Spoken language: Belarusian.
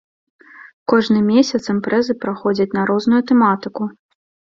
Кожны месяц імпрэзы праходзяць на розную тэматыку.